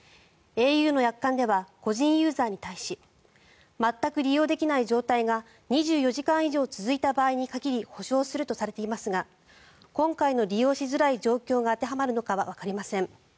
ａｕの約款では個人ユーザーに対し全く利用できない状態が２４時間以上続いた場合に限り補償するとされていますが今回の利用しづらい状況が当てはまるのかはわかりません。